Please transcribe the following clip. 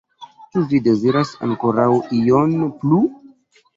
Ĉu vi deziras ankoraŭ ion plu?